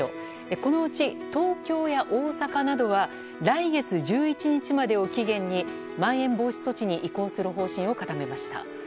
このうち東京や大阪などは来月１１日までを期限にまん延防止措置に移行する方針を固めました。